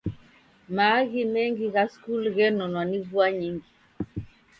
Maaghi mengi gha skulu ghenonwa ni vua nyingi.